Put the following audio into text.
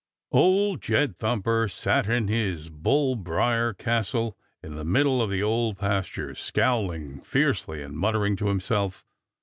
Old Jed Thumper sat in his bull briar castle in the middle of the Old Pasture, scowling fiercely and muttering to himself.